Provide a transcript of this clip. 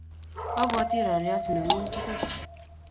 a bwati rariot ne ng'un tugul